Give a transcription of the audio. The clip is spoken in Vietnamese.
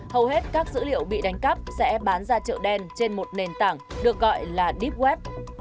hầu hết các dữ liệu bị đánh cắp sẽ bán ra trợ đen trên một nền tảng được gọi là deep web